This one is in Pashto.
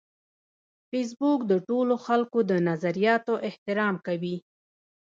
فېسبوک د ټولو خلکو د نظریاتو احترام کوي